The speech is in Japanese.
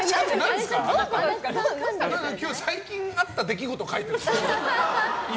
今日、最近あった出来事書いてるんですか？